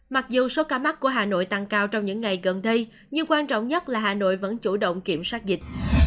mặc dù số ca mắc của hà nội tăng cao trong những ngày gần đây nhưng quan trọng nhất là hà nội vẫn chủ động kiểm soát dịch